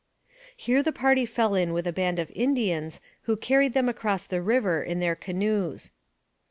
Here the party fell in with a band of Indians who carried them across the river in their canoes.